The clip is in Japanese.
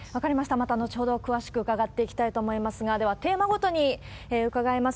また後ほど詳しく伺っていきたいと思いますが、では、テーマごとに伺います。